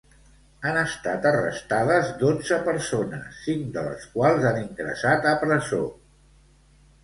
Han estat arrestades dotze persones, cinc de les quals han ingressat a presó.